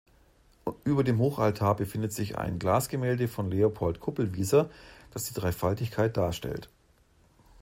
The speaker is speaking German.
Über dem Hochaltar befindet sich ein Glasgemälde von Leopold Kupelwieser, das die Dreifaltigkeit darstellt.